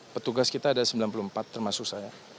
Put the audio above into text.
petugas kita ada sembilan puluh empat termasuk saya